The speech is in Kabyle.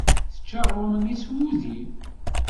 Tečča aɣrum-nni s wudi.